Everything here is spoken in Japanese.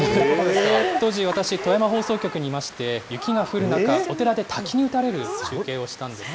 当時、私、富山放送局にいまして、雪が降る中、お寺で滝に打たれる中継をしたんですね。